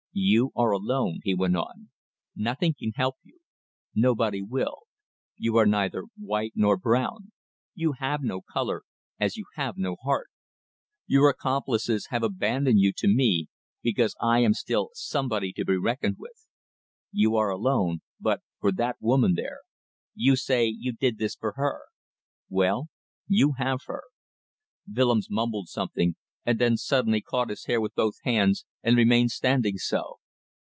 "You are alone," he went on. "Nothing can help you. Nobody will. You are neither white nor brown. You have no colour as you have no heart. Your accomplices have abandoned you to me because I am still somebody to be reckoned with. You are alone but for that woman there. You say you did this for her. Well, you have her." Willems mumbled something, and then suddenly caught his hair with both his hands and remained standing so.